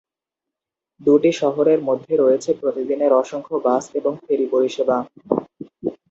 দুটি শহরের মধ্যে রয়েছে প্রতিদিনের অসংখ্য বাস এবং ফেরি পরিষেবা।